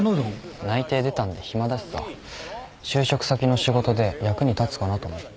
内定出たんで暇だしさ就職先の仕事で役に立つかなと思って。